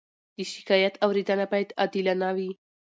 د شکایت اورېدنه باید عادلانه وي.